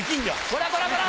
こらこらこら！